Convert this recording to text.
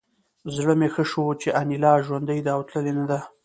زړه مې ښه شو چې انیلا ژوندۍ ده او تللې نه ده